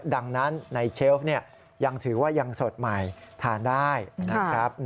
ดังนั้นในเชลฟยังถือว่ายังสดใหม่ทานได้นะครับ